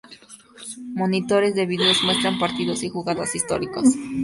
Monitores de video muestran partidos y jugadas históricas.